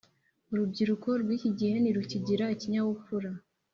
Urubyiruko rw’iki gihe ntirukigira ikinyabupfura